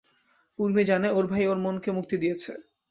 ঊর্মি জানে, ওর ভাই ওর মনকে মুক্তি দিয়েছে।